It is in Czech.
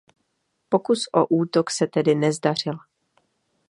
Pokus o útok se tedy nezdařil.